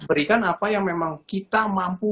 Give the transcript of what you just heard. berikan apa yang memang kita mampu